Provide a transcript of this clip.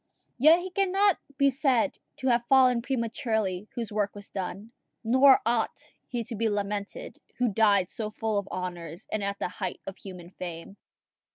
Yet he cannot be said to have fallen prematurely whose work was done; nor ought he to be lamented who died so full of honours, and at the height of human fame.